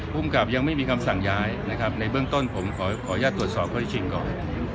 คุมกับยังไม่มีคำสั่งย้ายในเรื่องต้นผมขอยัดวาดสอบข้อได้จริงก่อน